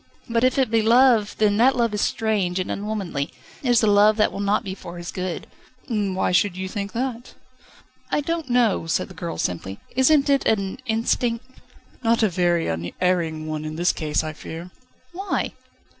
"But if it be love, then that love is strange and unwomanly; it is a love that will not be for his good ..." "Why should you think that?" "I don't know," said the girl simply. "Isn't it an instinct?" "Not a very unerring one in this case, I fear." "Why?"